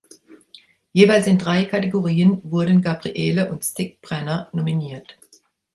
Jeweils in drei Kategorien wurden Gabrielle und Stig Brenner nominiert.